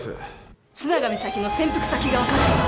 須永美咲の潜伏先が分かったわ。